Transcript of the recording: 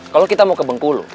kalau kita mau ke bengkulu